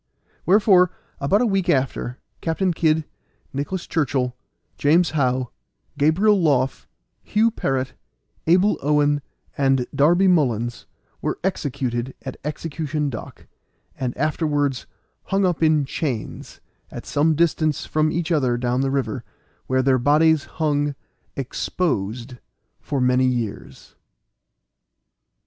Wherefore, about a week after, Captain Kid, Nicholas Churchill, James How, Gabriel Loff, Hugh Parrot, Abel Owen, and Darby Mullins, were executed at Execution Dock, and afterwards hung up in chains, at some distance from each other down the river, where their bodies hung exposed for many years.